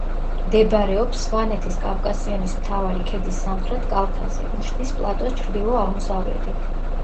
მდებარეობს სვანეთის კავკასიონის მთავარი ქედის სამხრეთ კალთაზე, უშბის პლატოს ჩრდილო-აღმოსავლეთით.